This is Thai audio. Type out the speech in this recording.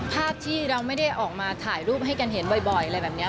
ภาพที่เราไม่ได้ออกมาถ่ายรูปให้กันเห็นบ่อยอะไรแบบนี้